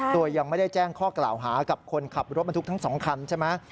โดยยังไม่ได้แจ้งข้อกล่าวหากับคนขับรถบรรทุกทั้ง๒คันใช่ไหม